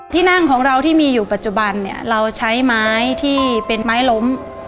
ที่นั่งของเราที่มีอยู่ปัจจุบันเนี่ยเราใช้ไม้ที่เป็นไม้ล้ม